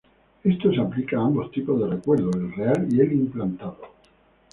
Esto se aplica a ambos tipos de recuerdos: el real y el implantado.